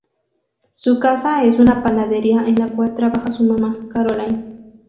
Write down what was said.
Su casa es una panadería en la cual trabaja su mamá: Caroline.